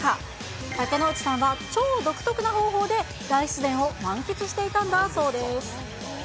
竹野内さんは超独特な方法で大自然を満喫していたんだそうです。